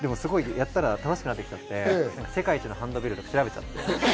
やったら楽しくなってきちゃって、世界一のハンドベルって調べちゃって。